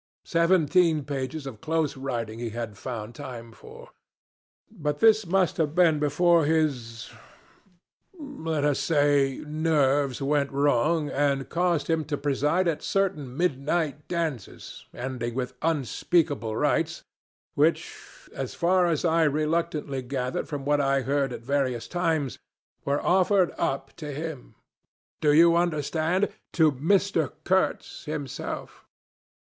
Seventeen pages of close writing he had found time for! But this must have been before his let us say nerves, went wrong, and caused him to preside at certain midnight dances ending with unspeakable rites, which as far as I reluctantly gathered from what I heard at various times were offered up to him do you understand? to Mr. Kurtz himself.